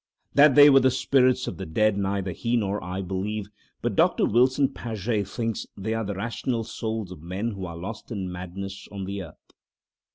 That they were the spirits of the dead neither he nor I believe. But Doctor Wilson Paget thinks they are the rational souls of men who are lost in madness on the earth.